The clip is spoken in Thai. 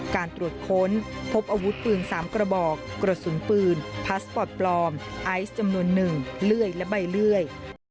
การตรวจค้นพบอาวุธปืน๓กระบอกกระสุนปืนพลาสปอร์ตปลอมไอซ์จำนวน๑เลื่อยและใบเลื่อย